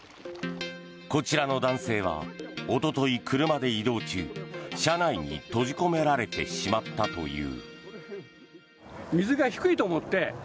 こちらの男性はおととい車で移動中車内に閉じ込められてしまったという。